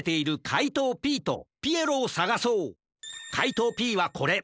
かいとうＰはこれ。